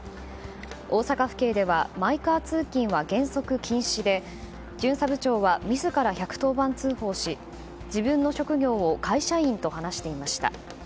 大阪府警ではマイカー通勤は原則禁止で巡査部長は自ら１１０番通報し自分の職業を会社員と話していました。